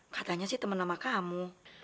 katanya sih temen nama kamu